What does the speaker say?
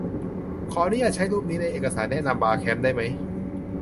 ขออนุญาตใช้รูปนี้ ในเอกสารแนะนำบาร์แคมป์ได้ไหม ?